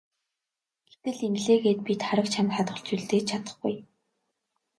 Гэтэл ингэлээ гээд би Тараг чамд хадгалж үлдээж чадахгүй.